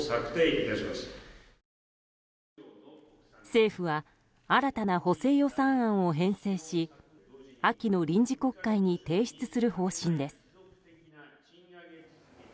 政府は新たな補正予算案を編成し秋の臨時国会に提出する方針です。